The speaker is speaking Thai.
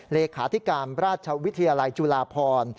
เลขาธิการราชวิทยาลัยจุฬาพร